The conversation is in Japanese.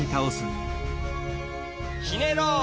ひねろう。